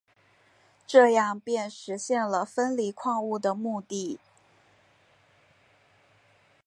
这样便实现了分离矿物的目的。